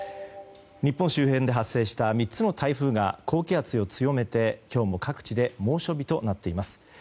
日本周辺で発生した３つの台風が高気圧を強めて今日も各地で猛暑日となっています。